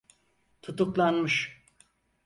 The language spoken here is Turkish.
Tutuklanmış.